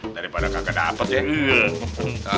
daripada kagak dapet ya